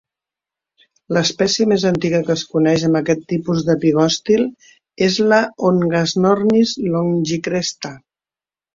L'espècie més antiga que es coneix amb aquest tipus de pigostil és la "Hongshanornis longicresta".